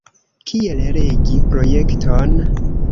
Kiel regi projekton?